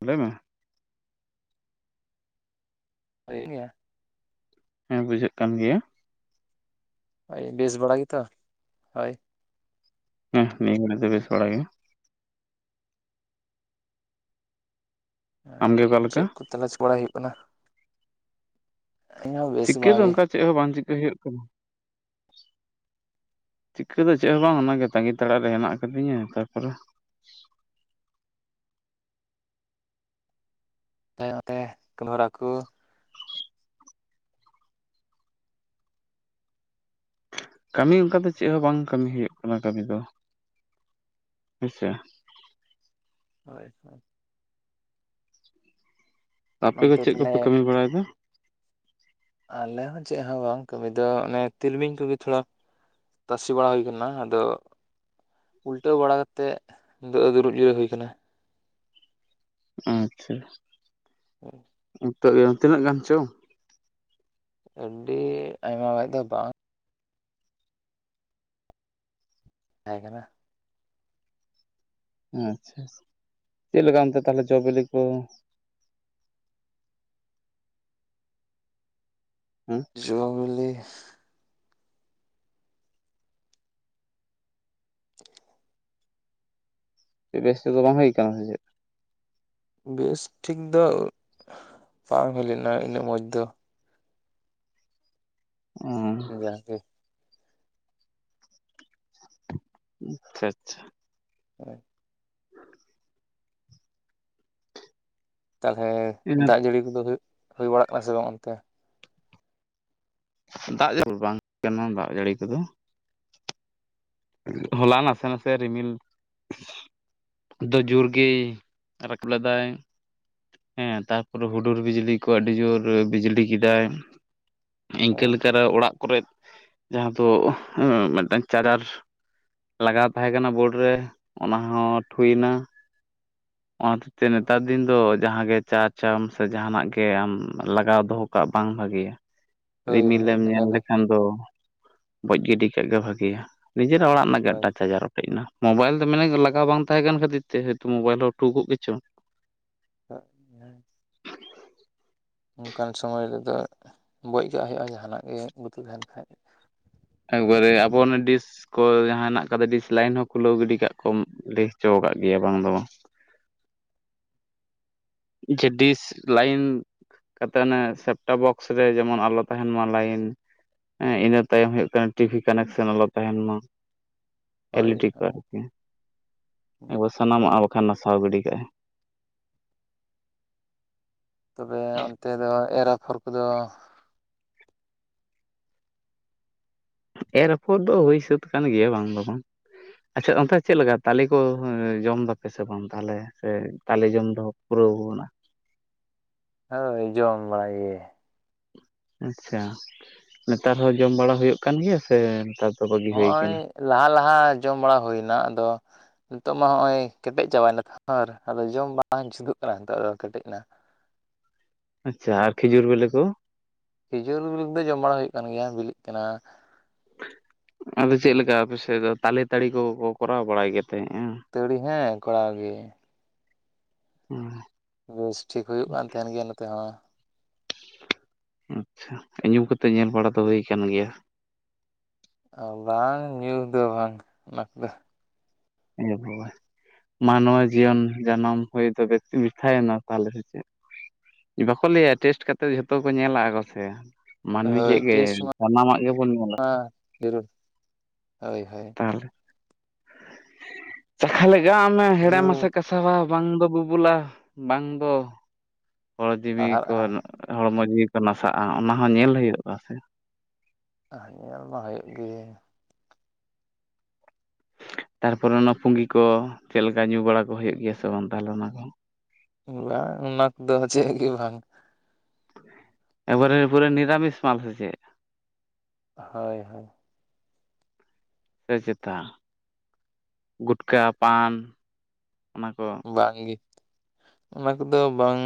ᱞᱟᱹᱭ ᱢᱮ? [unintelligible] ᱦᱮᱸ ᱵᱩᱡᱷᱟᱹᱜ ᱠᱟᱱ ᱜᱮᱭᱟ᱾ ᱦᱳᱭ ᱵᱮᱥ ᱵᱟᱲᱟ ᱜᱮ ᱛᱚ? ᱦᱳᱭ ᱦᱩᱸ ᱱᱤᱭᱟᱹ ᱜᱷᱟᱹᱲᱤᱜ ᱫᱚ ᱵᱮᱥ ᱵᱟᱲᱟᱜᱮ᱾ ᱮᱸ ᱟᱢᱜᱮ ᱚᱠᱟ ᱞᱮᱠᱟ ᱪᱮᱫ ᱠᱚ [unintelligible] ᱵᱟᱲᱟᱭ ᱦᱩᱭᱩᱜ ᱠᱟᱱᱟ᱾ ᱤᱧ ᱦᱚᱸ ᱵᱮᱥ ᱪᱤᱠᱟᱹ ᱵᱟᱲᱟ ᱫᱚ ᱜᱮ ᱚᱱᱠᱟ ᱪᱮᱫ ᱦᱚᱸ ᱵᱟᱝ ᱪᱤᱠᱟᱹ ᱦᱩᱭᱩᱜ ᱠᱟᱱᱟ᱾ ᱪᱤᱠᱟᱹ ᱫᱚ ᱪᱮᱫ ᱦᱚᱸ ᱵᱟᱝ ᱚᱱᱟᱜᱮ ᱛᱟᱸᱝᱜᱤ ᱛᱟᱲᱟᱜ ᱨᱮ ᱦᱮᱱᱟᱜ ᱟᱠᱟᱫᱤᱧᱟ ᱛᱟᱯᱚᱨᱮ, ᱛᱟᱭᱚᱢ ᱛᱮ [unintelligible] ᱠᱚ ᱠᱟᱹᱢᱤ ᱚᱱᱠᱟ ᱫᱚ ᱪᱮᱫ ᱦᱚᱸ ᱵᱟᱝ ᱠᱟᱹᱢᱤ ᱦᱩᱭᱩᱜ ᱠᱟᱱᱟ ᱠᱟᱹᱢᱤ ᱫᱚ ᱦᱮᱸᱥᱮ᱾ ᱦᱳᱭ ᱦᱳᱭ ᱟᱯᱮ ᱜᱮ ᱚᱱᱛᱮ ᱪᱮᱫ ᱛᱟᱞᱦᱮ ᱠᱚᱯᱮ ᱠᱟᱹᱢᱤ ᱵᱟᱲᱟᱭᱮᱫᱟ᱾ ᱟᱞᱮ ᱦᱚᱸ ᱪᱮᱫ ᱦᱚᱸ ᱵᱟᱝ ᱠᱟᱹᱢᱤ ᱫᱚ ᱚᱱᱮ ᱛᱤᱞᱢᱤᱧ ᱠᱚᱜᱮ ᱛᱷᱚᱲᱟ ᱛᱟᱥᱮ ᱵᱟᱲᱟ ᱦᱩᱭ ᱠᱟᱱᱟ, ᱟᱫᱚ ᱩᱞᱴᱟᱹᱣ ᱵᱟᱲᱟ ᱠᱟᱛᱮᱫ ᱫᱚ ᱫᱩ ᱫᱩᱲᱩᱵ ᱡᱤᱛᱟᱹᱣ ᱦᱩᱭ ᱟᱠᱟᱱᱟ᱾ ᱟᱪᱪᱷᱟ ᱦᱮᱸ ᱱᱤᱛᱚᱜ ᱜᱮ ᱛᱤᱱᱟᱹᱜ ᱜᱟᱱ ᱪᱚᱝ ᱟᱹᱰᱤ ᱟᱭᱢᱟ ᱜᱟᱱ ᱫᱚ ᱵᱟᱝ ᱛᱟᱦᱮᱸ ᱠᱟᱱᱟ᱾ ᱟᱪᱪᱷᱟ ᱪᱷᱟ ᱪᱮᱫ ᱞᱮᱠᱟ ᱚᱱᱛᱮ ᱛᱟᱦᱚᱞᱮ ᱡᱚ ᱵᱤᱞᱤ ᱠᱚ? ᱦᱮᱸ ᱡᱚ ᱵᱤᱞᱤ [inaudible] ᱵᱮᱥ ᱛᱮᱫᱚ ᱵᱟᱝ ᱦᱩᱭ ᱟᱠᱟᱱᱟ ᱥᱮ ᱪᱮᱫ? ᱵᱮᱥᱴᱷᱤᱠ ᱫᱚ ᱵᱟᱝ ᱦᱩᱭ ᱞᱮᱱᱟ ᱩᱱᱟᱹᱜ ᱢᱚᱸᱡᱽ ᱫᱚ᱾ ᱚᱸ ᱡᱟᱜᱮ ᱟᱪᱪᱷᱟ ᱪᱷᱟ ᱦᱮᱸ [inaudible] ᱛᱟᱦᱚᱞᱮ ᱤᱱᱟᱹ ᱫᱟᱜ ᱡᱟᱹᱲᱤ ᱠᱚᱫᱚ ᱦᱩᱭᱩᱜ ᱦᱩᱭ ᱵᱟᱲᱟᱜ ᱠᱟᱱᱟ ᱥᱮ ᱵᱟᱝ ᱚᱱᱛᱮ? ᱫᱟᱜ [unintelligible] ᱵᱟᱝ [unintelligible] ᱫᱟᱜ ᱡᱟᱹᱲᱤ ᱠᱚᱫᱚ᱾ ᱦᱚᱞᱟ ᱱᱟᱥᱮ ᱱᱟᱥᱮ ᱨᱤᱢᱤᱞ ᱫᱚ ᱡᱳᱨ ᱜᱮᱭ ᱨᱟᱠᱩ ᱞᱮᱫᱟᱭ᱾ ᱦᱮᱸ ᱛᱟᱨᱯᱚᱨᱮ ᱦᱩᱰᱩᱨ ᱵᱤᱡᱽᱞᱤ ᱠᱚ ᱟᱹᱰᱤ ᱡᱳᱨ ᱵᱤᱡᱽᱞᱤ ᱠᱮᱫᱟᱭ᱾ ᱤᱱᱠᱟᱹ ᱚ ᱞᱮᱠᱟᱨᱮ ᱚᱲᱟᱜ ᱠᱚᱨᱮᱜ, ᱡᱟᱦᱟᱸ ᱫᱚ ᱢᱤᱫᱴᱟᱝ ᱪᱟᱜᱟᱨ ᱞᱟᱜᱟᱣ ᱛᱟᱦᱮᱸ ᱠᱟᱱᱟ ᱵᱳᱲ ᱨᱮ, ᱚᱱᱟ ᱦᱚᱸ ᱴᱷᱩᱭᱮᱱᱟ᱾ ᱚᱱᱟ ᱛᱮᱡ ᱛᱮ ᱱᱮᱛᱟᱨ ᱫᱤᱱ ᱫᱚ ᱡᱟᱦᱟᱸᱜᱮ ᱪᱟᱨᱡᱽ ᱪᱟᱢ ᱥᱮ ᱡᱟᱦᱟᱸᱱᱟᱜ ᱜᱮ ᱟᱢ ᱞᱟᱜᱟᱣ ᱫᱚᱦᱚ ᱠᱟᱜ ᱵᱟᱝ ᱵᱷᱟᱹᱜᱤᱭᱟ᱾ ᱦᱳᱭ ᱦᱳᱭ ᱨᱤᱢᱤᱞᱮᱢ ᱧᱮᱞ ᱞᱟᱜᱟᱛᱟᱨ ᱞᱮᱠᱷᱟᱱ ᱫᱚ ᱵᱚᱡ ᱜᱤᱰᱤ ᱠᱟᱜ ᱜᱮ ᱵᱷᱟᱹᱜᱤᱭᱟ᱾ ᱱᱤᱡᱮᱨᱟᱜ ᱚᱲᱟᱜ ᱨᱮᱱᱟᱜ ᱜᱮ ᱦᱳᱭ [unintelligible] [unintelligible] ᱢᱳᱵᱟᱭᱤᱞ ᱫᱚ ᱢᱟᱮᱱ ᱞᱟᱜᱟᱣ ᱵᱟᱝ ᱛᱟᱦᱮᱸ ᱠᱟᱱ ᱠᱷᱟᱹᱛᱤᱨ ᱛᱮ, ᱦᱚᱭᱛᱚ ᱢᱳᱵᱟᱭᱤᱞ ᱦᱚ ᱴᱷᱩᱠᱚᱜ ᱜᱮᱪᱚᱝ᱾ ᱛᱟᱜ ᱱᱟᱭ ᱚᱱᱠᱟᱱ ᱥᱚᱢᱚᱭ ᱨᱮᱫᱚ ᱵᱚᱡ ᱠᱟᱜ ᱦᱩᱭᱩᱜᱼᱟ᱾ ᱡᱟᱦᱟᱸᱱᱟᱜ ᱜᱮ ᱵᱩᱛᱩᱞ ᱛᱟᱦᱮᱱ ᱠᱷᱟᱡ᱾ ᱮᱠᱵᱟᱨᱮ ᱟᱵᱚ ᱚᱱᱚ ᱰᱤᱥ ᱠᱚ ᱡᱟᱦᱟᱸ ᱱᱟᱜ ᱠᱟᱛᱮ ᱰᱤᱥ ᱞᱟᱭᱤᱱ ᱦᱚᱸ ᱠᱷᱩᱞᱟᱹᱣ ᱜᱤᱰᱤ ᱠᱟᱜ ᱠᱚᱢ ᱞᱟᱹᱭ ᱦᱚᱪᱚ ᱠᱟᱜ ᱜᱮᱭᱟ ᱵᱟᱝ ᱫᱚ ᱵᱟᱝ ᱡᱮᱰᱤᱥ ᱞᱟᱭᱤᱱ ᱠᱟᱛᱮᱫ ᱚᱱᱮ ᱥᱮᱯᱴᱚᱯ ᱵᱚᱠᱥ ᱨᱮ ᱡᱮᱢᱚᱱ ᱟᱞᱚ ᱛᱟᱦᱮᱱ ᱢᱟ ᱞᱟᱭᱤᱱ᱾ ᱦᱮᱸ ᱤᱱᱟᱹ ᱛᱟᱭᱚᱢ ᱦᱩᱭᱩᱜ ᱠᱟᱱᱟ ᱴᱤᱵᱷᱤ ᱠᱟᱱᱟᱮᱠ ᱥᱮᱱ ᱟᱞᱚ ᱛᱟᱦᱮᱱ ᱢᱟ᱾ ᱦᱳᱭ ᱮᱞᱤᱴᱤᱠᱟ ᱦᱳᱭ [unintelligible] ᱥᱟᱱᱟᱢᱟᱜᱼᱟ ᱵᱟᱠᱷᱟᱱ ᱱᱟᱥᱟᱣ ᱜᱤᱰᱤ ᱠᱟᱜᱼᱟᱭ᱾ ᱛᱚᱵᱮ ᱚᱱᱛᱮ ᱫᱚ ᱮᱨ ᱟᱯᱷᱚᱨ ᱠᱚᱫᱚ ᱮᱨ ᱟᱯᱷᱚᱨ ᱫᱚ ᱦᱩᱭ ᱥᱟᱹᱛ ᱠᱟᱱ ᱜᱮᱭᱟ ᱵᱟᱝ ᱫᱚ ᱵᱟᱝ᱾ ᱟᱪᱪᱷᱟ ᱚᱱᱛᱮ ᱪᱮᱫ ᱞᱮᱠᱟ ᱛᱟᱞᱮ ᱠᱚ ᱡᱚᱢ ᱫᱟᱯᱮ ᱥᱮ ᱵᱟᱝ ᱛᱟᱦᱚᱞᱮ᱾ ᱥᱮ ᱛᱟᱞᱮ ᱡᱚᱢ ᱫᱚ ᱯᱩᱨᱟᱹᱣᱱᱟ ᱦᱳᱭ ᱡᱚᱢ ᱵᱟᱲᱟᱭ ᱜᱮ᱾ ᱟᱪᱪᱷᱟ ᱱᱮᱛᱟᱨ ᱦᱚᱸ ᱡᱚᱢ ᱵᱟᱲᱟ ᱦᱩᱭᱩᱜ ᱠᱟᱱ ᱜᱮᱭᱟ ᱥᱮ ᱱᱮᱛᱟᱨ ᱫᱚ ᱵᱟᱹᱜᱤ ᱦᱚᱜ ᱦᱩᱭ ᱚᱭ ᱟᱠᱟᱱᱟ ᱞᱟᱦᱟ ᱞᱟᱦᱟ ᱡᱚᱢ ᱵᱟᱲᱟ ᱦᱩᱭᱱᱟ᱾ ᱟᱫᱚ ᱱᱤᱛᱚᱜ ᱢᱟ ᱱᱚᱸᱜᱼᱚᱭ ᱠᱮᱴᱮᱡ ᱪᱟᱵᱟᱭᱱᱟ ᱟᱨ ᱟᱫᱚ ᱡᱚᱢ ᱵᱟᱝ ᱡᱩᱫᱩᱜ ᱠᱟᱱᱟ ᱱᱤᱛᱚᱜ ᱫᱚ ᱠᱮᱴᱮᱡ ᱱᱟ᱾ ᱟᱪᱪᱷᱟ ᱟᱨ ᱠᱷᱤᱡᱩᱨ ᱵᱮᱞᱮ ᱠᱚ᱾ ᱠᱷᱤᱡᱩᱨ ᱫᱚ ᱡᱚᱢ ᱵᱟᱲᱟ ᱦᱩᱭᱩᱜ ᱠᱟᱱ ᱜᱮᱭᱟ ᱵᱤᱞᱤᱜ ᱠᱟᱱᱟ᱾ ᱟᱫᱚ ᱪᱮᱫᱞᱮᱠᱟ ᱟᱯᱮ ᱥᱮᱫ ᱫᱚ ᱛᱟᱞᱮ ᱛᱟᱹᱲᱤ ᱠᱚ ᱠᱚᱨᱟᱣ ᱵᱟᱲᱟᱭ ᱛᱟᱦᱮᱸᱫᱼᱟ᱾ ᱛᱟᱹᱲᱤ ᱦᱮᱸ ᱠᱚᱲᱟᱣ ᱜᱮ᱾ ᱚᱸ ᱵᱮᱥ ᱴᱷᱤᱠ ᱦᱩᱭᱩᱜ ᱠᱟᱱ ᱛᱟᱦᱮᱱ ᱜᱮᱭᱟ ᱱᱚᱛᱮ ᱦᱚᱸ᱾ ᱟᱪᱪᱷᱟ ᱧᱩ ᱠᱟᱛᱮᱜ ᱧᱮᱞ ᱵᱟᱲᱟ ᱫᱚ ᱦᱩᱭ ᱠᱟᱱ ᱜᱮᱭᱟ᱾ ᱵᱟᱝ ᱧᱩ ᱫᱚ ᱵᱟᱝ ᱚᱱᱟ ᱠᱚᱫᱚ᱾ ᱤᱭᱟᱹ ᱠᱚᱵᱚᱭ ᱢᱟᱱᱣᱟ ᱡᱤᱭᱚᱱ ᱡᱟᱱᱟᱢ ᱦᱩᱭ ᱫᱚ ᱵᱮᱠᱛᱤ ᱢᱮᱴᱷᱟᱭᱮᱱᱟ ᱛᱟᱦᱞᱮ ᱥᱮ ᱪᱮᱫ? ᱵᱟᱠᱚ ᱞᱟᱹᱭᱟ ᱴᱮᱥᱴ ᱠᱟᱛᱮᱫ ᱡᱷᱚᱛᱚ ᱠᱚ ᱧᱮᱞᱟ ᱜᱚᱥᱮ᱾ ᱢᱟᱹᱱᱢᱤ ᱦᱳᱭ ᱡᱮᱜᱮ ᱜᱮ ᱴᱮᱥ ᱥᱟᱱᱟᱢᱟᱜ ᱜᱮᱵᱚᱱ ᱧᱮᱞᱟ ᱢᱟ ᱥᱮ᱾ ᱡᱟᱹᱨᱩᱲ ᱦᱳᱭ ᱦᱳᱭ ᱛᱟᱞᱦᱮ ᱪᱟᱠᱷᱟ ᱞᱮᱜᱟ ᱟᱜ ᱢᱮ ᱦᱮᱲᱮᱢ ᱧᱩ ᱢᱟᱥᱮ ᱠᱟᱥᱟᱣᱟ᱾ ᱵᱟᱝ ᱫᱚ ᱵᱩᱵᱩᱞᱟ ᱵᱟᱝ ᱫᱚ ᱦᱚᱲ ᱡᱤᱣᱤ ᱦᱟᱲᱦᱟᱜᱼᱟ ᱠᱚᱱᱚᱜ ᱦᱚᱲᱢᱚ ᱡᱤᱣᱤ ᱠᱚ ᱱᱟᱥᱟᱜᱼᱟ ᱚᱱᱟ ᱦᱚᱸ ᱧᱮᱞ ᱦᱩᱭᱩᱜᱼᱟ ᱥᱮ᱾ ᱮᱦᱮᱸ ᱧᱮᱞ ᱫᱚ ᱦᱳᱭᱳᱜ ᱜᱮ᱾ ᱛᱟᱨᱯᱚᱨᱮ ᱚᱱᱟ ᱯᱩᱸᱜᱤ ᱠᱚ ᱪᱮᱫ ᱞᱮᱠᱟ ᱧᱩ ᱵᱟᱲᱟ ᱠᱚ ᱦᱳᱭᱳᱜ ᱜᱮᱭᱟ ᱥᱮ ᱵᱟᱝ ᱛᱟᱞᱦᱮ ᱚᱱᱟ ᱠᱚ᱾ ᱵᱟᱝ ᱚᱱᱟ ᱠᱚᱫᱚ ᱪᱮᱜ ᱜᱮ ᱵᱟᱝ᱾ ᱮᱵᱟᱨᱮ ᱯᱩᱨᱮ ᱱᱤᱨᱟᱢᱤᱥ ᱢᱟᱞ‌ᱥᱮ ᱪᱮᱜ? ᱦᱳᱭ ᱦᱳᱭ ᱥᱮ ᱪᱮᱛᱟ ᱜᱩᱴᱠᱟᱹ, ᱯᱟᱱ ᱚᱱᱟ ᱠᱚ᱾ ᱵᱟᱝ ᱜᱤ ᱚᱱᱟ ᱠᱚᱫᱚ ᱵᱟᱝ᱾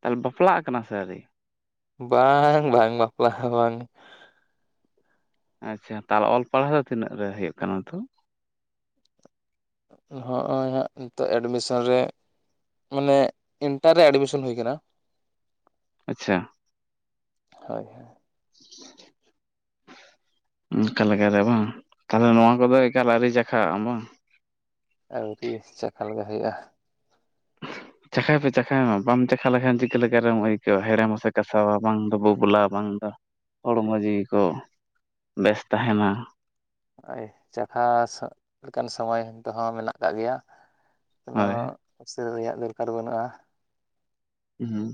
ᱛᱟᱞᱮ ᱵᱟᱯᱞᱟᱜ ᱠᱟᱱᱟ ᱥᱮ ᱟᱹᱨᱤ? ᱵᱟᱝ ᱵᱟᱝ ᱵᱟᱯᱞᱟ ᱵᱟᱝ᱾ ᱟᱪᱪᱷᱟ ᱛᱟᱞ ᱚᱞ ᱯᱟᱲᱦᱟᱣ ᱫᱚ ᱛᱤᱱᱟᱹᱜ ᱨᱮ ᱦᱩᱭᱩᱜ ᱠᱟᱱᱟ ᱛᱚ᱾ ᱦᱚᱜᱼᱚᱭ ᱦᱟᱸᱜ ᱱᱤᱛᱚᱜ ᱮᱰᱢᱤᱥᱚᱱ ᱨᱮ ᱢᱟᱱᱮ ᱤᱱᱴᱟᱨ ᱨᱮ ᱮᱰᱢᱤᱥᱚᱱ ᱦᱩᱭ ᱠᱟᱱᱟ᱾ ᱟᱪᱪᱷᱟ ᱦᱳᱭ ᱦᱳᱭ ᱚᱱᱠᱟ ᱞᱮᱠᱟᱨᱮ ᱵᱟᱝ, ᱛᱟᱞᱦᱮ ᱱᱚᱣᱟ ᱠᱚᱫᱚ ᱮᱠᱟᱞ ᱟᱹᱨᱤ ᱪᱟᱠᱷᱟᱜᱼᱟᱢ ᱵᱟᱝ᱾ ᱟᱹᱣᱨᱤ ᱪᱟᱠᱷᱟ ᱞᱟᱜᱟ ᱦᱩᱭᱩᱜᱼᱟ᱾ [inaudible] ᱪᱟᱠᱷᱟᱭ ᱯᱮ ᱪᱟᱠᱷᱟᱭ ᱢᱟ ᱵᱟᱢ ᱪᱟᱠᱷᱟ ᱞᱮᱠᱷᱟᱱ ᱪᱤᱠᱟᱹᱞᱮᱠᱟᱨᱮᱢ ᱟᱹᱭᱠᱟᱹᱣᱼᱟ ᱦᱮᱲᱮᱢᱼᱟ ᱥᱮ ᱠᱟᱥᱟᱣᱟ ᱵᱟᱝ ᱫᱚ ᱵᱩᱵᱩᱞᱟ ᱵᱟᱝ ᱫᱚ ᱦᱚᱲᱢᱚ ᱡᱤᱣᱤ ᱠᱚ ᱵᱮᱥ ᱛᱟᱦᱮᱱᱟ᱾ ᱦᱳᱭ ᱪᱟᱠᱷᱟ ᱞᱮᱠᱟᱱ ᱥᱚᱢᱚᱭ ᱫᱚ ᱦᱚᱸ ᱢᱮᱱᱟᱜ ᱠᱟᱜ ᱜᱮᱭᱟ ᱠᱚᱱᱳ ᱦᱳᱭ ᱩᱥᱟᱹᱨᱟ ᱨᱮᱭᱟᱜ ᱫᱚᱨᱠᱟᱨ ᱵᱟᱹᱱᱩᱜᱼᱟ᱾ ᱚᱸᱦᱚᱸ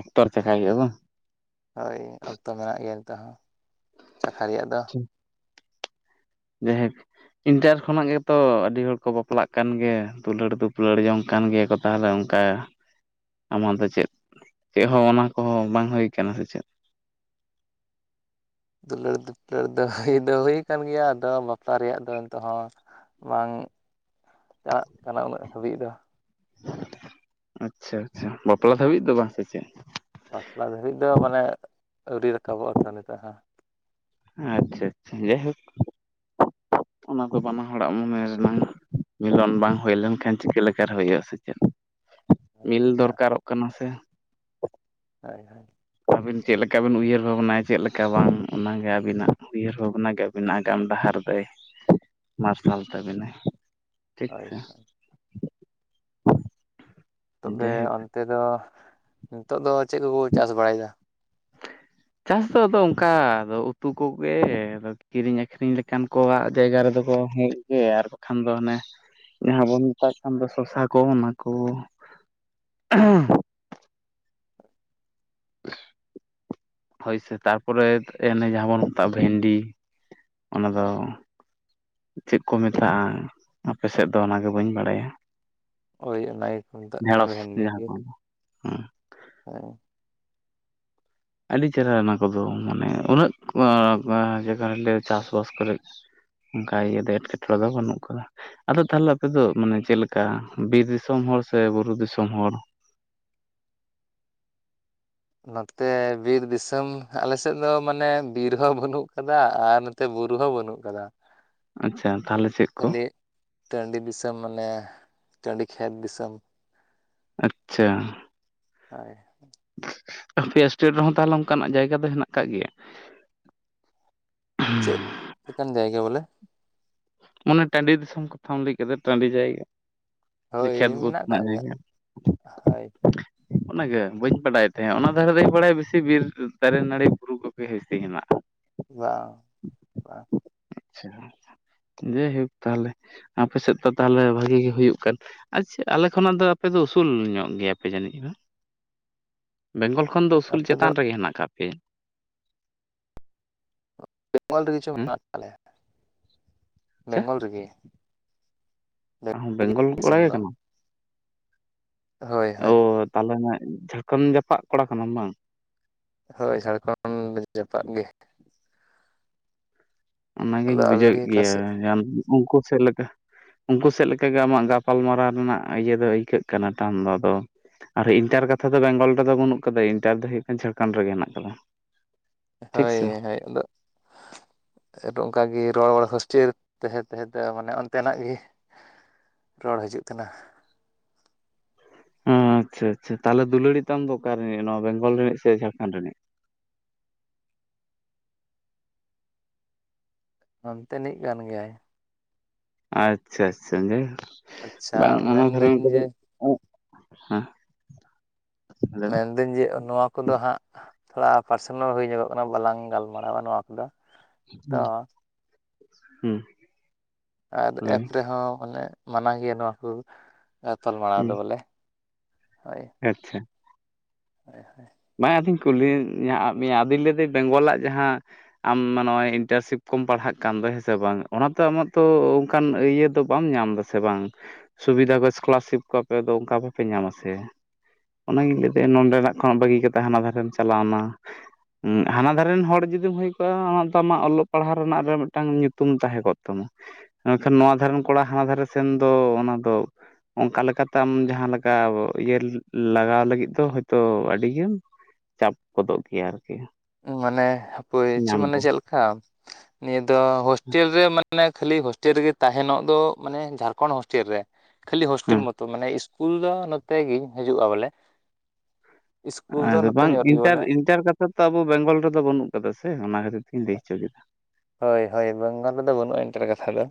ᱚᱠᱛᱚᱨᱮ ᱪᱟᱠᱷᱟᱭ ᱦᱩᱭᱩᱜᱼᱟ ᱵᱟᱝ᱾ ᱦᱳᱭ ᱚᱠᱛᱚ ᱢᱮᱱᱟᱜ ᱜᱮᱭᱟ ᱱᱤᱛᱚᱜ ᱦᱚᱸ ᱪᱟᱠᱷᱟ ᱨᱮᱭᱟᱜ ᱫᱚ᱾ ᱦᱩᱸ᱾ ᱡᱟᱭᱦᱳᱠ ᱤᱱᱴᱟᱨ ᱠᱷᱚᱱᱟᱜ ᱜᱮᱛᱚ ᱟᱹᱰᱤ ᱦᱚᱲ ᱠᱚ ᱵᱟᱯᱞᱟᱜ ᱠᱟᱱ ᱜᱮ, ᱫᱩᱞᱟᱹᱲ ᱫᱩᱯᱩᱞᱟᱹᱲ ᱡᱚᱝ ᱠᱟᱱ ᱜᱮ ᱠᱚ ᱛᱟᱦᱚᱞᱮ ᱚᱱᱠᱟ ᱟᱢᱟᱜ ᱫᱚ ᱪᱮᱫ, ᱪᱮᱫ ᱦᱚᱸ ᱚᱱᱟ ᱠᱚᱦᱚᱸ ᱵᱟᱝ ᱦᱩᱭ ᱟᱠᱟᱱᱟ ᱥᱮ ᱪᱮᱫ? ᱫᱩᱞᱟᱹᱲᱼ ᱫᱩᱯᱞᱟᱹᱲ ᱫᱚ ᱦᱩᱭ ᱫᱚ ᱦᱩᱭ ᱠᱟᱱ ᱜᱮᱭᱟ ᱟᱫᱚ ᱵᱟᱯᱞᱟ ᱨᱮᱭᱟᱜ ᱫᱚ ᱱᱤᱛᱚᱜ ᱦᱚᱸ ᱵᱟᱝ ᱪᱟᱞᱟᱜ ᱠᱟᱱᱟ ᱩᱱᱟᱹᱜ ᱦᱟᱹᱵᱤᱡ ᱫᱚ᱾ ᱟᱪᱪᱷᱟ ᱟᱪᱪᱷᱟ ᱵᱟᱯᱞᱟ ᱫᱷᱟᱹᱵᱤᱡ ᱫᱚ ᱵᱟᱝ ᱥᱮ ᱪᱮᱫ? ᱵᱟᱯᱞᱟ ᱫᱷᱟᱹᱨᱤᱡ ᱫᱚ ᱢᱟᱱᱮ ᱟᱹᱣᱨᱤ ᱨᱟᱠᱟᱵᱚᱜᱼᱟ ᱛᱟᱦᱞᱮ ᱛᱚ ᱦᱟᱸ᱾ ᱟᱪᱪᱷᱟ ᱟᱪᱪᱷᱟ, ᱡᱟᱭ ᱦᱳᱠ ᱚᱱᱟ ᱫᱚ, ᱵᱟᱱᱟ ᱦᱚᱲᱟᱜ ᱢᱚᱱᱮ ᱨᱮᱱᱟᱝ ᱢᱤᱞᱚᱱ ᱵᱟᱝ ᱦᱩᱭ ᱞᱮᱱᱠᱷᱟᱱ, ᱪᱤᱠᱟᱹ ᱞᱮᱠᱟ ᱨᱮ ᱦᱩᱭᱩᱜᱼᱟ ᱾ ᱥᱮ ᱪᱮᱫ? ᱢᱤᱞ ᱫᱚᱨᱠᱟᱨᱚᱜ ᱠᱟᱱᱟ ᱥᱮ? ᱦᱳᱭ, ᱦᱳᱭ ᱾ ᱟᱹᱵᱤᱱ ᱪᱮᱫ ᱞᱮᱠᱟ ᱵᱤᱱ ᱩᱭᱦᱟᱹᱨ ᱵᱷᱟᱵᱽᱱᱟᱭᱟ ᱾ ᱪᱮᱫ ᱞᱮᱠᱟ ᱵᱟᱝ? ᱚᱱᱟ ᱜᱮ ᱟᱹᱵᱤᱱᱟᱜ ᱩᱭᱦᱟᱹᱨ ᱵᱷᱟᱵᱽᱱᱟ ᱜᱮ, ᱟᱹᱵᱤᱱᱟᱜ ᱟᱜᱟᱢ ᱰᱟᱦᱟᱨ ᱫᱚᱭ [inaudible] ᱢᱟᱨᱥᱟᱞ ᱛᱟᱵᱤᱱᱟ ᱾ ᱦᱳᱭ, ᱦᱳᱭ ᱾ ᱛᱚᱵᱮ, ᱡᱟᱭᱦᱳᱠ ᱚᱱᱛᱮ ᱫᱚ, ᱱᱤᱛᱚᱜ ᱫᱚ ᱪᱮᱫ ᱠᱚᱠᱚ, ᱪᱟᱥ ᱵᱟᱲᱟ ᱭᱮᱫᱟ? ᱪᱟᱥ ᱫᱚ ᱟᱫᱚ, ᱚᱱᱠᱟ ᱫᱚ ᱩᱛᱩ ᱠᱚᱜᱮ, ᱟᱫᱚ ᱠᱤᱨᱤᱧ ᱟᱹᱠᱷᱨᱤᱧ ᱞᱮᱠᱟᱱ ᱠᱚᱣᱟᱜ ᱡᱟᱭᱜᱟ ᱨᱮᱫᱚ ᱠᱚ, ᱦᱮᱡ ᱜᱮ ᱟᱨ ᱵᱟᱠᱷᱟᱱ ᱫᱚ, ᱚᱱᱮ ᱡᱟᱦᱟᱸ ᱵᱚᱱ ᱢᱮᱛᱟᱜ ᱠᱟᱱ ᱫᱚ, ᱥᱚᱥᱟ ᱠᱚ, ᱚᱱᱟ ᱠᱚ ᱾ ᱮᱼᱦᱻᱟᱸ ᱾ ᱦᱳᱭ ᱥᱮ, ᱛᱟᱨᱯᱚᱨᱮ ᱮᱱᱮ, ᱡᱟᱦᱟᱸ ᱵᱚᱱ ᱢᱮᱛᱟᱜᱼᱟ ᱵᱷᱮᱱᱰᱤ, ᱚᱱᱟ ᱫᱚ ᱾ ᱪᱮᱫ ᱠᱚ ᱢᱮᱛᱟᱜᱼᱟ? ᱟᱯᱮ ᱥᱮᱫ ᱫᱚ ᱚᱱᱟᱜᱮ ᱵᱟᱹᱧ ᱵᱟᱲᱟᱭᱟ ᱾ ᱦᱳᱭ, ᱚᱱᱟ ᱜᱮ ᱠᱚ ᱢᱮᱛᱟᱜ ᱠᱟᱱᱟ, ᱵᱷᱮᱱᱰᱤ ᱜᱮ,, ᱦᱮᱸ ᱦᱮᱸ ᱾ ᱟᱹᱰᱤ ᱪᱮᱦᱨᱟ ᱚᱱᱟ ᱠᱚᱫᱚ, ᱢᱟᱱᱮ ᱩᱱᱟᱹᱜ ᱠᱚᱸ [unintelligible] ᱼᱚᱸᱡᱟᱜᱟ ᱨᱮᱞᱮ ᱪᱟᱥᱵᱟᱥ [unintelligible] ᱠᱚᱨᱮᱫ ᱾ ᱚᱱᱠᱟ ᱤᱭᱟᱹ, ᱫᱚ ᱮᱴᱠᱮᱴᱚᱬᱮ [unintelligible] ᱫᱚ ᱵᱟᱹᱱᱩᱜ ᱟᱠᱟᱫᱟ ᱾ ᱟᱫᱚ ᱛᱟᱦᱚᱞᱮ, ᱟᱯᱮ ᱫᱚ ᱢᱟᱱᱮ ᱪᱮᱫᱞᱮᱠᱟ? ᱵᱤᱨ ᱫᱤᱥᱚᱢ ᱦᱚᱲ ᱥᱮ, ᱵᱩᱨᱩ ᱫᱤᱥᱚᱢ ᱦᱚᱲ? ᱱᱚᱛᱮ ᱵᱤᱨ ᱫᱤᱥᱚᱢ, ᱟᱞᱮᱥᱮᱫ ᱫᱚ, ᱢᱟᱱᱮ ᱵᱤᱨ ᱦᱚᱸ ᱵᱟᱹᱱᱩᱜ ᱟᱠᱟᱫᱟ ᱟᱨ ᱛᱮ ᱵᱩᱨᱩ ᱦᱚᱸ ᱵᱟᱹᱱᱩᱜ ᱟᱠᱟᱫᱟ ᱾ ᱟᱪᱪᱷᱟ, ᱛᱟᱦᱚᱞᱮ ᱪᱮᱫ ᱠᱚ? ᱴᱟᱺᱰᱤ ᱫᱤᱥᱚᱢ, ᱢᱟᱱᱮ ᱴᱟᱺᱰᱤ ᱠᱷᱮᱛ ᱫᱤᱥᱚᱢ ᱾ ᱟᱪ ᱪᱷᱟ ᱾ ᱦᱳᱭ ᱾ [inaudible] ᱟᱯᱮᱭᱟᱜ ᱥᱴᱮᱴ ᱨᱮᱦᱚᱸ ᱛᱟᱦᱚᱞᱮ, ᱚᱱᱠᱟᱱᱟᱜ ᱡᱟᱭᱜᱟ ᱫᱚ ᱦᱮᱱᱟᱜ ᱟᱠᱟᱜ ᱜᱮᱭᱟ? ᱪᱮᱫ? ᱞᱮᱠᱟᱱ ᱡᱟᱭᱜᱟ ᱵᱚᱞᱮ ᱾ ᱢᱟᱱᱮ ᱴᱟᱺᱰᱤ ᱫᱤᱥᱚᱢ ᱠᱟᱛᱷᱟᱢ ᱞᱟᱹᱭ ᱠᱮᱫ ᱫᱚ, ᱴᱟᱺᱰᱤ ᱡᱟᱭᱜᱟ ᱾ ᱦᱳᱭ ᱠᱷᱮᱛ ᱵᱟᱹᱫᱽ ᱢᱮᱱᱟᱜ ᱟᱠᱟᱫ ᱨᱮᱱᱟᱜ ᱜᱮᱭᱟ ᱡᱟᱭᱜᱟ ᱦᱳᱭ ᱾ [unintelligible] ᱚᱱᱟᱜᱮ, ᱵᱟᱹᱧ ᱵᱟᱰᱟᱭ ᱛᱟᱦᱮᱸᱫ, ᱚᱱᱟ ᱫᱷᱟᱨᱮ ᱫᱚᱧ ᱵᱟᱲᱟᱭᱟ ᱾ ᱵᱮᱥᱤ ᱵᱤᱨ ᱫᱟᱨᱮ, ᱱᱟᱹᱲᱤ, ᱵᱩᱨᱩ ᱠᱚᱜᱮ, ᱵᱤᱥᱤ ᱦᱮᱱᱟᱜᱼᱟ ᱾ ᱵᱟᱝ [unintelligible] ᱵᱟᱝ ᱪᱪᱷᱟᱸ ᱾ ᱡᱟᱭᱦᱳᱠ, ᱛᱟᱦᱚᱞᱮ ᱟᱯᱮ ᱥᱮᱫ ᱫᱚ, ᱛᱟᱦᱚᱞᱮ ᱵᱷᱟᱜᱤ ᱜᱮ, ᱦᱩᱭᱩᱜ ᱠᱟᱱ ᱟᱪᱪᱷᱟ, ᱟᱞᱮ ᱠᱷᱚᱱᱟᱜ ᱫᱚ, ᱟᱯᱮ ᱫᱚ, ᱩᱥᱩᱞ ᱧᱚᱜ ᱜᱮᱭᱟ ᱯᱮ ᱡᱟᱹᱱᱤᱡ ᱾ ᱦᱟᱸ ᱾ [inaudible] ᱵᱮᱝᱜᱚᱞ ᱠᱷᱚᱱ ᱫᱚ, ᱩᱥᱩᱞ ᱟᱯᱮ ᱫᱚ ᱪᱮᱛᱟᱱ ᱨᱮᱜᱮ ᱦᱮᱱᱟᱜ ᱟᱠᱟᱫ ᱯᱮᱭᱟ ᱾ ᱵᱮᱝᱜᱚᱞ ᱨᱮᱜᱮ ᱪᱚ, ᱦᱮᱸ ᱢᱮᱱᱟᱜ ᱟᱠᱟᱜ ᱞᱮᱭᱟ, ᱟᱪᱪᱷᱟ ᱵᱮᱝᱜᱚᱞ ᱨᱮᱜᱮ ᱾ ᱟᱢᱦᱚᱸ ᱵᱮᱝᱜᱚᱞ ᱠᱚᱲᱟ ᱫᱤᱥᱚᱢ ᱜᱮ ᱫᱚ ᱠᱟᱱᱟᱢ? ᱦᱳᱭ ᱚ ᱦᱳᱭ ᱛᱟᱦᱚᱞᱮ ᱡᱷᱟᱲᱠᱷᱚᱸᱰ ᱡᱟᱯᱟᱜ ᱠᱚᱲᱟ ᱠᱟᱱᱟᱢ ᱵᱟᱝ? ᱦᱳᱭ ᱡᱷᱟᱲᱠᱷᱚᱸᱰ ᱡᱟᱯᱟᱜ ᱜᱤ᱾ ᱚᱱᱟ ᱜᱤᱧ ᱟᱫᱚ ᱟᱵᱮᱱ ᱵᱩᱡᱷᱟᱹᱣᱮᱫ ᱜᱮ ᱚᱠᱟ ᱜᱮᱭᱟ ᱥᱮᱫ ᱦᱮᱸ ᱩᱱᱠᱩ [inaudible] ᱥᱮᱫ ᱞᱮᱠᱟ, ᱩᱱᱠᱩ ᱥᱮᱫ ᱞᱮᱠᱟᱜᱮ ᱟᱢᱟᱜ ᱜᱟᱯᱟᱞᱢᱟᱨᱟᱣ ᱨᱮᱱᱟᱜ ᱤᱭᱟᱹ ᱫᱚ ᱟᱹᱭᱠᱟᱹᱜ ᱠᱟᱱᱟ ᱴᱟᱱ ᱫᱚ ᱟᱫᱚ ᱟᱨ ᱤᱱᱴᱟᱨ ᱠᱟᱛᱷᱟ ᱫᱚ ᱵᱮᱝᱜᱚᱞ ᱨᱮᱫᱚ ᱵᱟᱹᱱᱩᱜ ᱠᱟᱫᱤᱡ, ᱤᱱᱴᱟᱨ ᱫᱚ ᱦᱩᱭᱩᱜ ᱠᱟᱱ ᱡᱷᱟᱲᱠᱷᱟᱸᱱᱰ ᱨᱮᱜᱮ ᱦᱮᱱᱟᱜ ᱠᱟᱫᱟ᱾ ᱴᱷᱤᱠ ᱦᱳᱭ ᱥᱮ ᱦᱳᱭ, ᱟᱫᱚ ᱚᱱᱠᱟᱜᱮ ᱨᱚᱲ ᱦᱚᱥᱴᱮᱞ ᱛᱟᱦᱮᱸ ᱛᱟᱦᱮᱸ ᱛᱮ ᱢᱟᱱᱮ ᱚᱱᱛᱮᱱᱟᱜ ᱜᱮ, ᱨᱚᱲ ᱦᱟᱡᱩᱜ ᱠᱟᱱᱟ? [unintelligible] ᱟᱪᱪᱷᱟ ᱟᱪᱪᱷᱟ, ᱛᱟᱦᱮ ᱫᱩᱞᱟᱹᱲᱤ ᱛᱟᱢ ᱫᱚ ᱚᱠᱟ ᱨᱤᱱᱤᱡ ᱱᱚᱣᱟ ᱵᱮᱝᱜᱚᱞ ᱨᱤᱱᱤᱡ ᱥᱮ ᱡᱷᱟᱲᱠᱷᱟᱸᱰ ᱨᱤᱱᱤᱡ? ᱚᱱᱛᱮᱱᱤᱡ ᱠᱟᱱ ᱜᱮᱭᱟᱭ ᱾ ᱟᱪᱪᱷᱟ ᱟᱪᱪᱷᱟ ᱜᱮ, ᱟᱪᱪᱷᱟ ᱵᱟᱝ ᱚᱱᱟ ᱫᱷᱚᱨᱚᱢ ᱢᱮᱱᱫᱟᱹᱧ ᱠᱚᱫᱚ, ᱡᱮ [unintelligible] ᱞᱟᱹᱭ ᱢᱮᱱᱫᱟᱹᱧ ᱡᱮ ᱱᱚᱣᱟ ᱠᱚᱫᱚ ᱦᱟᱸᱜ ᱛᱷᱚᱲᱟ ᱯᱟᱨᱥᱚᱱᱟᱞ ᱦᱩᱭ ᱧᱚᱜᱚᱜ ᱠᱟᱱᱟ ᱵᱟᱞᱟᱝ ᱜᱟᱞᱢᱟᱨᱟᱣᱟ ᱱᱚᱣᱟ ᱠᱚᱫᱚ᱾ ᱛᱚ ᱦᱩᱸ, ᱦᱩᱸ ᱟᱨ ᱞᱟᱹᱭ ᱮᱯ ᱢᱮ ᱨᱮᱦᱚᱸ ᱢᱟᱱᱮ ᱢᱟᱱᱟ ᱜᱮᱭᱟ ᱱᱚᱣᱟ ᱠᱚ ᱜᱟᱯᱟᱞᱢᱟᱨᱟᱣ ᱫᱚ ᱦᱩᱸ ᱵᱚᱞᱮ ᱾ ᱦᱳᱭ ᱟᱪᱪᱷᱟ, ᱦᱳᱭ ᱦᱳᱭ ᱵᱟᱝ ᱟᱫᱚᱧ ᱠᱩᱞᱤ ᱭᱳᱜ ᱮᱫ ᱢᱮᱭᱟ, ᱟᱫᱚᱧ ᱞᱟᱹᱭ ᱫᱤᱹᱧ ᱵᱮᱝᱜᱚᱞᱟᱜ ᱡᱟᱦᱟᱸ ᱟᱢ ᱱᱚᱜᱚᱭ ᱤᱱᱴᱟᱨᱥᱤᱯ ᱠᱚᱢ ᱯᱟᱲᱦᱟᱜ ᱠᱟᱱ ᱫᱚ ᱦᱮᱸ ᱥᱮ ᱵᱟᱝ ᱚᱱᱟᱛᱮ ᱟᱢᱟᱜ ᱛᱚ ᱚᱱᱠᱟᱱ ᱤᱭᱟᱹ ᱫᱚ ᱵᱟᱢ ᱧᱟᱢ ᱮᱫᱟ ᱥᱮ ᱵᱟᱝ, ᱥᱩᱵᱤᱫᱷᱟ ᱠᱚ ᱮᱥᱠᱚᱞᱟᱨᱥᱤᱯ ᱠᱚ ᱟᱯᱮ ᱫᱚ ᱚᱱᱠᱟ ᱵᱟᱯᱮ ᱧᱟᱢᱟ ᱥᱮ? ᱚᱱᱟᱜᱤᱧ ᱞᱟᱹᱭ ᱮᱫᱟ ᱱᱚᱰᱮᱱᱟᱜ ᱠᱷᱚᱱᱟᱜ ᱵᱟᱹᱜᱤ ᱠᱟᱛᱮ ᱦᱟᱱᱟ ᱫᱷᱟᱨᱮᱢ ᱪᱟᱞᱟᱣᱱᱟ ᱾ ᱦᱟᱱᱟ ᱫᱷᱟᱨᱮᱱ ᱦᱚᱲ ᱡᱩᱫᱤᱢ ᱦᱩᱭ ᱠᱚᱜᱼᱟ ᱚᱱᱟ ᱫᱚ ᱟᱢᱟᱜ ᱚᱞᱚᱜ ᱯᱟᱲᱦᱟᱜ ᱨᱮᱱᱟᱜ ᱨᱮ ᱢᱤᱫᱴᱟᱝ ᱧᱩᱛᱩᱢ ᱛᱟᱦᱮᱸ ᱠᱚᱜ ᱛᱟᱢᱟ ᱾ ᱢᱮᱱᱠᱷᱟᱱ ᱱᱚᱣᱟ ᱫᱷᱟᱨᱮ ᱨᱮᱱ ᱠᱚᱲᱟ ᱦᱟᱱᱟ ᱫᱷᱟᱨᱮ ᱥᱮᱱ ᱫᱚ ᱚᱱᱟ ᱫᱚ ᱚᱱᱠᱟ ᱞᱮᱠᱟᱛᱮ ᱟᱢ ᱡᱟᱦᱟᱸ ᱞᱮᱠᱟ ᱤᱭᱟᱹ ᱞᱟᱜᱟᱣ ᱞᱟᱹᱜᱤᱫ ᱫᱚ ᱦᱳᱭᱛᱚ ᱟᱹᱰᱤᱜᱟᱱ ᱪᱟᱯ ᱜᱚᱫᱚᱜ ᱜᱮᱭᱟ ᱟᱨᱠᱤ, ᱢᱟᱱᱮ ᱦᱟᱹᱯᱟᱹᱭ ᱪᱷᱳ ᱧᱟᱢ ᱢᱟᱱᱮ ᱠᱚ ᱪᱮᱫ ᱞᱮᱠᱟ, ᱱᱤᱭᱟᱹ ᱫᱚ ᱦᱳᱥᱴᱮᱞ ᱨᱮ ᱢᱟᱱᱮ ᱠᱷᱟᱹᱞᱤ ᱦᱳᱥᱴᱮᱞ ᱨᱮᱜᱮ ᱛᱟᱦᱮᱱᱚᱜ ᱫᱚ ᱢᱟᱱᱮ ᱡᱷᱟᱲᱠᱷᱚᱸᱰ ᱦᱳᱥᱴᱮᱞ ᱨᱮ, ᱠᱷᱟᱹᱞᱤ ᱦᱳᱥᱴᱮᱞ ᱦᱮᱸ ᱢᱚᱛᱚ ᱢᱟᱱᱮ ᱤᱥ ᱯᱩᱞ ᱫᱚ ᱱᱚᱛᱮ ᱜᱤ ᱦᱤᱡᱩᱜᱼᱟ ᱵᱚᱞᱮ, ᱤᱥᱠᱩᱞ ᱫᱚ ᱟᱫᱚ ᱱᱚᱛᱮ ᱵᱟᱝ ᱧᱚᱜ ᱨᱮᱜᱮ ᱤᱱᱴᱟᱨ ᱵᱚᱞᱮ ᱤᱱᱴᱟᱨ ᱠᱟᱛᱷᱟ ᱛᱚ ᱟᱵᱚ ᱵᱮᱝᱜᱚᱞ ᱨᱮᱫᱚ ᱵᱟᱹᱱᱩᱜ ᱟᱠᱟᱫᱟ ᱥᱮ ᱚᱱᱟ ᱠᱷᱟᱹᱛᱤᱨ ᱛᱤᱧ ᱞᱟᱹᱭ ᱦᱚᱪᱚ ᱠᱮᱫᱟ ᱾ ᱦᱳᱭ ᱦᱳᱭ ᱵᱟᱝᱜᱟᱞ ᱨᱮᱫᱚ ᱵᱟᱹᱱᱩᱜᱼᱟ ᱤᱱᱴᱟᱨ ᱠᱟᱛᱷᱟ ᱫᱚ᱾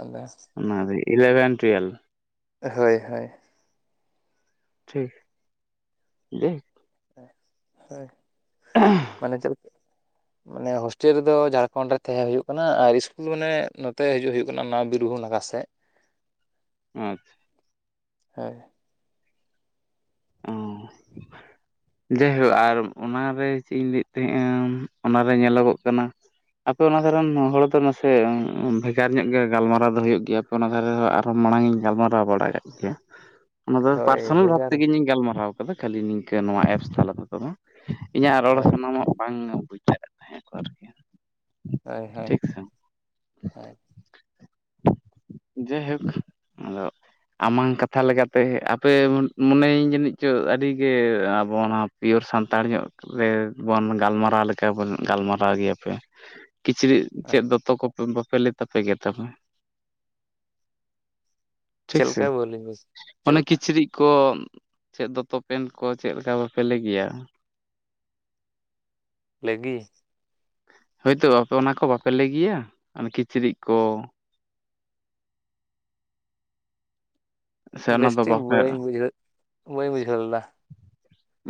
ᱟᱫᱚ ᱚᱱᱟ‌ᱫᱚ ᱤᱞᱮᱣᱮᱱᱛᱷ ᱴᱩᱭᱮᱞ ᱾ ᱦᱳᱭ ᱦᱳᱭ, ᱴᱷᱤᱠᱜᱤ [unintelligible] ᱦᱳᱭ, ᱯᱟᱞᱮ ᱪᱮᱫ ᱢᱟᱱᱮ ᱦᱳᱥᱴᱮᱞ ᱨᱮᱫᱚ ᱡᱷᱟᱲᱠᱷᱚᱸᱰ ᱨᱮ ᱛᱟᱦᱮᱸ ᱦᱩᱭᱩᱜ ᱠᱟᱱᱟ, ᱟᱨ ᱤᱥᱠᱩᱞ ᱢᱟᱱᱮ ᱱᱚᱛᱮ ᱦᱤᱡᱩᱜ ᱦᱩᱭᱩᱜ ᱠᱟᱱᱟ, ᱚᱱᱟ ᱵᱤᱨᱵᱷᱩᱱᱟᱜᱟᱨ ᱾ ᱥᱮᱫ᱾ ᱟᱪᱪᱷᱟ, [unintelligible] ᱚᱸ᱾ ᱡᱟᱭᱦᱳᱠ ᱟᱨ ᱚᱱᱟᱨᱮ ᱪᱮᱫ ᱤᱧ ᱞᱟᱹᱭᱮᱫ ᱛᱟᱦᱮᱸᱫᱟ ᱚᱱᱟᱨᱮ ᱧᱮᱞᱚᱜᱚᱜ ᱠᱟᱱᱟ ᱾ ᱟᱯᱮ ᱚᱱᱟ ᱫᱷᱟᱨ ᱨᱮᱱ ᱦᱚᱲ ᱫᱚ ᱱᱟᱥᱮ ᱵᱷᱮᱜᱟᱨ ᱧᱚᱜ ᱜᱮ ᱜᱟᱞᱢᱟᱨᱟᱣ ᱫᱚ ᱦᱩᱭᱩᱜ ᱜᱮᱭᱟᱹ ᱾ ᱚᱱᱟ ᱫᱷᱟᱨᱮ ᱦᱚᱸ ᱟᱨᱦᱚᱸ ᱢᱟᱲᱟᱝ ᱤᱧ ᱜᱟᱞᱢᱟᱨᱟᱣ ᱵᱟᱲᱟ ᱠᱟᱫ ᱜᱮᱭᱟ, [unintelligible] ᱚᱱᱟᱫᱚ ᱦᱳᱭ ᱯᱟᱨᱥᱚᱱᱟᱞ ᱵᱷᱳᱠ ᱵᱷᱮᱜᱟᱨ ᱛᱮᱜᱮ ᱤᱧ ᱜᱟᱞᱢᱟᱨᱟᱣ ᱠᱟᱫᱟ ᱠᱷᱟᱹᱞᱤ ᱱᱤᱝᱠᱟᱹ ᱱᱚᱣᱟ ᱮᱯᱥ ᱛᱟᱞᱟ ᱛᱮ ᱫᱚ ᱵᱟᱝ, ᱤᱧᱟᱜ ᱨᱚᱲ ᱦᱳᱭ ᱦᱳᱭ ᱥᱟᱱᱟᱢᱟᱜ ᱵᱟᱝ ᱵᱩᱡᱷᱟᱹᱜ ᱛᱟᱦᱮᱸ [unintelligible] ᱟᱨᱠᱤ᱾ ᱦᱳᱭ ᱴᱷᱤᱠ ᱥᱮ ᱦᱳᱭ [inaudible] ᱡᱟᱭᱦᱳᱠ, ᱟᱫᱚ ᱟᱢᱟᱝ ᱠᱟᱛᱷᱟ ᱞᱮᱠᱟᱛᱮ, ᱟᱯᱮ ᱢᱚᱱᱮᱭᱧ ᱡᱟᱹᱱᱤᱡ ᱪᱚ, ᱟᱹᱰᱤᱜᱮ, ᱟᱵᱚ ᱱᱚᱣᱟ ᱯᱤᱭᱳᱨ ᱥᱟᱱᱛᱟᱲ ᱧᱚᱜ ᱨᱮ ᱵᱚᱱ ᱜᱟᱞᱢᱟᱨᱟᱣ ᱞᱮᱠᱟ ᱵᱚᱱ, ᱜᱟᱞᱢᱟᱨᱟᱣ ᱜᱮᱭᱟ ᱯᱮ, ᱠᱤᱪᱨᱤᱡ ᱦᱳᱭ ᱪᱮᱫ ᱫᱚᱛᱚ ᱠᱚ, ᱵᱟᱯᱮ ᱞᱮ ᱛᱟᱯᱮᱜᱮᱜ ᱜᱮ, ᱛᱟᱢᱟ ᱪᱮᱫ ᱴᱷᱤᱠ ᱥᱮ, ᱞᱮᱠᱟ ᱵᱟᱹᱞᱤᱧ ᱵᱩᱡ ᱪᱮᱫ ᱚᱱᱮ ᱞᱮᱠᱟ ᱠᱤᱪᱨᱤᱡ ᱠᱚ᱾ ᱪᱮᱫ ᱫᱚᱛᱚ ᱯᱮᱱᱴ ᱠᱚ, ᱪᱮᱫ ᱞᱮᱠᱟ ᱵᱟᱯᱮ ᱞᱮᱭᱜᱮᱭᱟ? ᱞᱟᱹᱭ ᱜᱤ ᱾ ᱦᱳᱭᱛᱳ, ᱟᱯᱮ ᱚᱱᱟ ᱠᱚ, ᱵᱟᱯᱮ ᱞᱟᱹᱭ ᱜᱮᱭᱟ, ᱚᱱᱮ ᱠᱤᱪᱨᱤᱡ ᱠᱚ? ᱥᱮ ᱚᱱᱟ ᱫᱚ ᱵᱮᱥᱴᱷᱤᱠ ᱵᱟᱯᱮ ᱵᱟᱹᱧ ᱵᱩᱡᱷᱟᱹᱣ, ᱵᱟᱹᱧ ᱵᱩᱡᱷᱟᱹᱣ ᱞᱮᱫᱟ?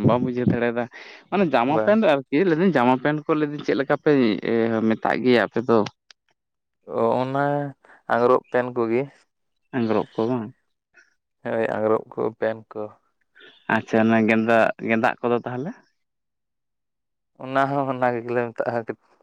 ᱵᱟᱢ ᱵᱩᱡᱷᱟᱹᱣ ᱫᱟᱲᱮ ᱭᱟᱫᱟ? ᱢᱟᱱᱮ ᱡᱟᱢᱟ ᱵᱟᱝ ᱯᱮᱱᱴ ᱟᱨᱠ ᱞᱟᱹᱭᱤᱫᱟᱹᱧ, ᱡᱟᱢᱟ ᱯᱮᱱᱴ ᱠᱚ, ᱞᱟᱹᱭᱮᱫᱟᱹᱧ ᱪᱮᱫ? ᱞᱮᱠᱟ ᱯᱮ, ᱮᱼ ᱮᱼ ᱢᱮᱛᱟᱜ ᱜᱮᱭᱟ, ᱟᱯᱮ ᱫᱚ ᱾ ᱚᱼ ᱚᱱᱟ, ᱟᱝᱨᱚᱵ ᱯᱮᱱ ᱠᱚᱜᱮ᱾ ᱟᱸᱜᱽᱨᱚᱵ ᱠᱚ ᱵᱟᱝ? ᱦᱚᱭ, ᱟᱝᱨᱚᱵ ᱠᱚ, ᱯᱮᱱ ᱠᱚ ᱾ ᱟᱪᱪᱷᱟ, ᱚᱱᱟ ᱜᱮᱸᱮᱫᱟᱜ, ᱜᱮᱸᱫᱟᱜ ᱠᱚᱫᱚ ᱛᱟᱦᱚᱞᱮ? ᱚᱱᱟ ᱦᱚᱸ ᱚᱱᱟ ᱜᱮ ᱞᱮ ᱢᱮᱛᱟᱜᱼᱟ᱾ [unintelligible]